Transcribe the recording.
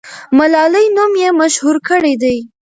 ملالۍ نوم یې مشهور کړی دی.